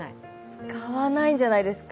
使わないんじゃないんですか？